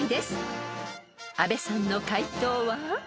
［阿部さんの解答は？］